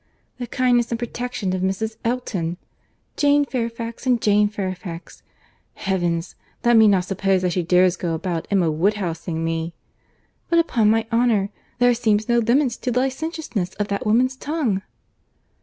—The kindness and protection of Mrs. Elton!—'Jane Fairfax and Jane Fairfax.' Heavens! Let me not suppose that she dares go about, Emma Woodhouse ing me!—But upon my honour, there seems no limits to the licentiousness of that woman's tongue!"